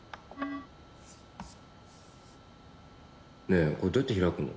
ねえこれどうやって開くの？